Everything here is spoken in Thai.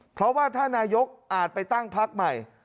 เพราะว่าถ้านายกอาจไปตั้งพักใหม่